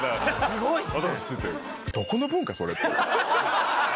すごいですね。